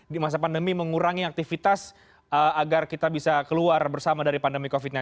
di masa pandemi mengurangi aktivitas agar kita bisa keluar bersama dari pandemi covid sembilan belas